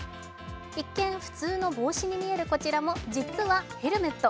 一見普通の帽子に見えるこちらも実はヘルメット。